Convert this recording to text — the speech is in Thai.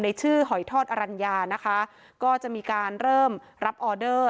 ชื่อหอยทอดอรัญญานะคะก็จะมีการเริ่มรับออเดอร์